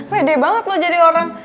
pede banget loh jadi orang